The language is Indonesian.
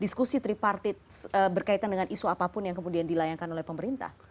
diskusi tripartit berkaitan dengan isu apapun yang kemudian dilayangkan oleh pemerintah